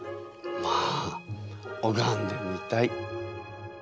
まあおがんでみたい！